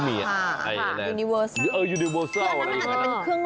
อันนี้ก็เป็นอีกแบบนึง